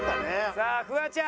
さあフワちゃん。